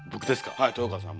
はい豊川さん